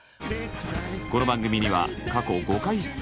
この番組には過去５回出演。